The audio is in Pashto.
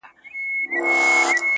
لکه ملنگ چي د پاچا تصوير په خوب وويني